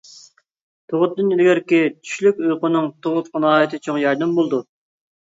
تۇغۇتتىن ئىلگىرىكى چۈشلۈك ئۇيقۇنىڭ تۇغۇتقا ناھايىتى چوڭ ياردىمى بولىدۇ.